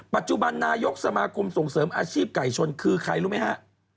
ปัจจุบันนายกสมาคมส่งเสริมอาชีพไก่ชนคือใครรู้ไหมฮะ